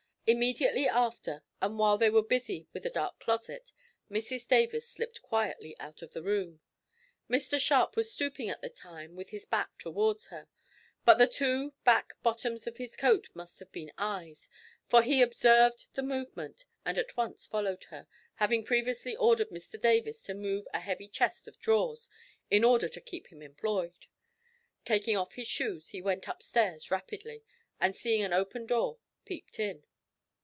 Immediately after, and while they were busy with a dark closet, Mrs Davis slipped quietly out of the room. Mr Sharp was stooping at the time with his back towards her, but the two back buttons of his coat must have been eyes, for he observed the movement and at once followed her, having previously ordered Mr Davis to move a heavy chest of drawers, in order to keep him employed. Taking off his shoes he went up stairs rapidly, and seeing an open door, peeped in.